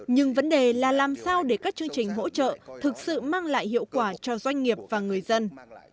nhưng vấn đề là làm sao để các chương trình hỗ trợ thực sự mang lại hiệu quả cho doanh nghiệp và người dân